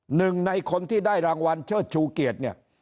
หนึ่งในคนที่ได้รางวัลเชิดชูเกียรติเนี่ย